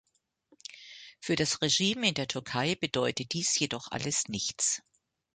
Für das Regime in der Türkei bedeutet dies jedoch alles nichts.